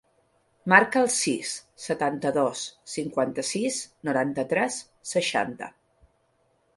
Marca el sis, setanta-dos, cinquanta-sis, noranta-tres, seixanta.